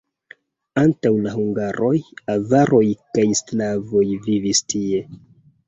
Antaŭ la hungaroj avaroj kaj slavoj vivis tie.